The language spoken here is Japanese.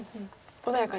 穏やかに。